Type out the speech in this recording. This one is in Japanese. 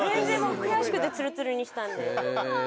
悔しくてツルツルにしたんで。